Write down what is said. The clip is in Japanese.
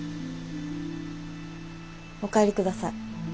お帰りください。